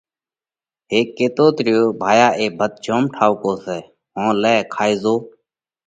هيڪ ڪيتوت ريو: ڀايا اي ڀت جوم ٺائُوڪو سئہ، هون لئہ کائي زو۔